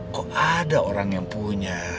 kok ada orang yang punya